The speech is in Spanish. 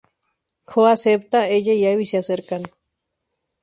Jo acepta, ella y Abby se acercan.